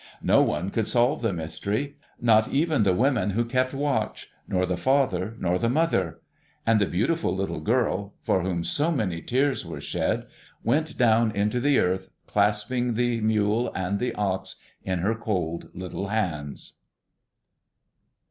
No one could solve the mystery, not even the women who kept watch, nor the father, nor the mother; and the beautiful little girl, for whom so many tears were shed, went down into the earth clasping the Mule and the Ox in her cold little hands.